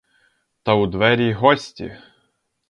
Та у двері гості!